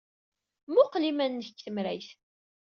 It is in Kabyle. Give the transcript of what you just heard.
Mmuqqel iman-nnek deg temrayt.